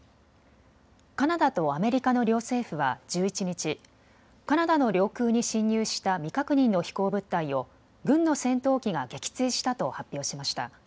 カナダとアメリカの両政府は１１日、カナダの領空に侵入した未確認の飛行物体を軍の戦闘機が撃墜したと発表しました。